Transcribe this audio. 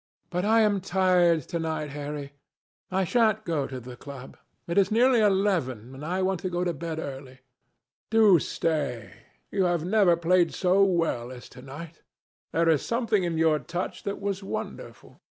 "But I am tired to night, Harry. I shan't go to the club. It is nearly eleven, and I want to go to bed early." "Do stay. You have never played so well as to night. There was something in your touch that was wonderful.